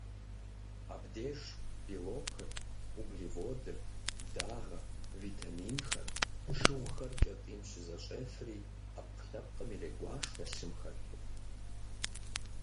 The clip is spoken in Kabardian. Абдеж белокыр, углеводыр, дагъэр, витаминхэр, шыгъухэр кӏэтӏийм щызэщӏефри, ӏэпкълъэпкъым ирегуашэ, лъым хэту.